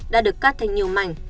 đã được cắt thành nhiều mảnh